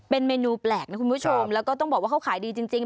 เป็นเมนูแปลกนะคุณผู้ชมแล้วก็ต้องบอกว่าเขาขายดีจริง